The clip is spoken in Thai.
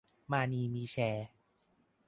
มานีมีแชร์